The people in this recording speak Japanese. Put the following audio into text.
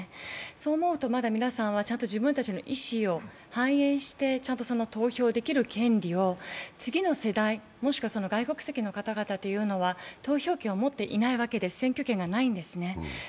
そう思うと、まだ皆さんは自分たちの意思を反映してちゃんと投票できる権利を次の世代、もしくは外国籍の方々は投票権を持っていないわけです、選挙権がないんですね。